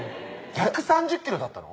１３０キロだったの？